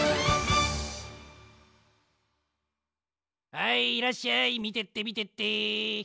はいいらっしゃいみてってみてって。